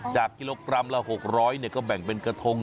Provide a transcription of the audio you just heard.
กิโลกรัมละ๖๐๐ก็แบ่งเป็นกระทง